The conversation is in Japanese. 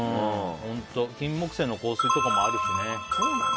キンモクセイの香水とかもあるしね。